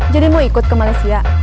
jadi mau ikut ke malaysia